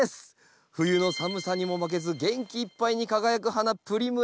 冬の寒さにも負けず元気いっぱいに輝く花プリムラ。